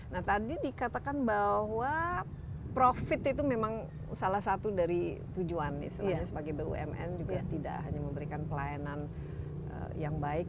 nah tadi dikatakan bahwa profit itu memang salah satu dari tujuan istilahnya sebagai bumn juga tidak hanya memberikan pelayanan yang baik